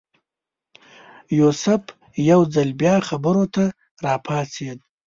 یوسف یو ځل بیا خبرو ته راپاڅېد.